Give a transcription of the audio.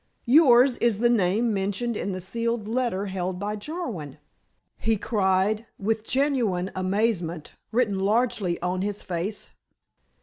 "Yours is the name mentioned in the sealed letter held by Jarwin?" he cried, with genuine amazement written largely on his face.